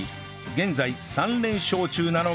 現在３連勝中なのが